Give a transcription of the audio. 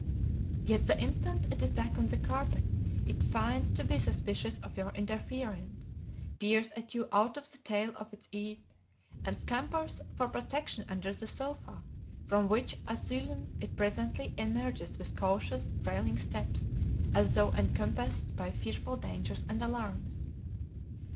"Yet the instant it is back on the carpet it feigns to be suspicious of your interference, peers at you out of 'the tail o' its e'e,' and scampers for protection under the sofa, from which asylum it presently emerges with cautious, trailing steps as though encompassed by fearful dangers and alarms."